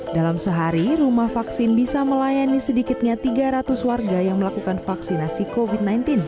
dalam sehari rumah vaksin bisa melayani sedikitnya tiga ratus warga yang melakukan vaksinasi covid sembilan belas